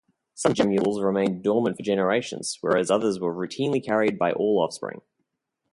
Some gemmules remained dormant for generations, whereas others were routinely carried by all offspring.